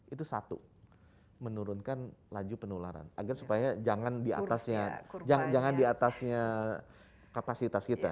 itu satu menurunkan laju penularan agar supaya jangan diatasnya kapasitas kita